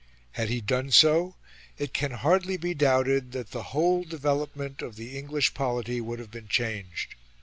Had he done so it can hardly be doubted that the whole development of the English polity would have been changed.